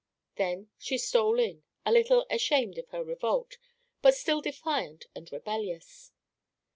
Then she stole in, a little ashamed of her revolt, but still defiant and rebellious.